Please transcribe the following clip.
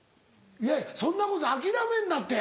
いやそんなこと諦めんなって！